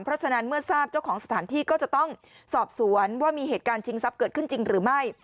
เพราะฉะนั้นเมื่อทราบเจ้าของสถานที่ก็จะต้องสอบสวนว่ามีเหตุการณ์ชิงทรัพย์เกิดขึ้นจริงหรือไม่